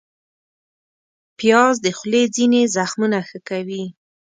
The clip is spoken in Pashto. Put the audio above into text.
پیاز د خولې ځینې زخمونه ښه کوي